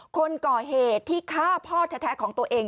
คนก่อเหตุที่ฆ่าพ่อแท้ของตัวเอง